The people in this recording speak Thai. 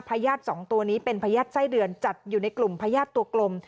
ญาติสองตัวนี้เป็นพญาติไส้เดือนจัดอยู่ในกลุ่มพญาติตัวกลม